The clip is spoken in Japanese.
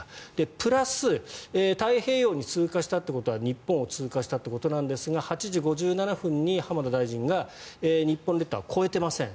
プラス太平洋に通過したということは日本を通過したということなんですが８時５７分に浜田大臣が日本列島は越えてません。